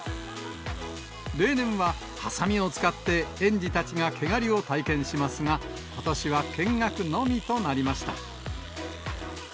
例年は、はさみを使って、園児たちが毛刈りを体験しますが、ことしは見学のみとなりました。